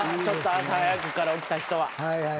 ちょっと朝早くから起きた人は。